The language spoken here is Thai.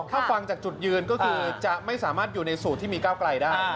ถ้าฟังจากจุดยืนก็คือจะไม่สามารถอยู่ในสูตรที่มีก้าวไกลได้